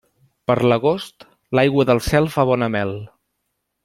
Per l'agost, l'aigua del cel fa bona mel.